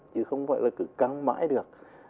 chứ không phải là cứ căng mãi được